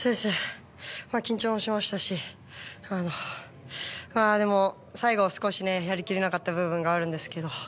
緊張しましたしでも最後は少しやりきれなかった部分があるんですけど。